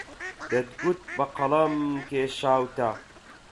دەتگوت بە قەڵەم کێشاوتە